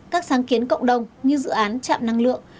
các sáng kiến cộng đồng như dự án chạm năng lượng